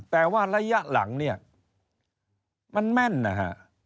แต่ว่าระยะหลังเนี่ยมันแม่นนะฮะ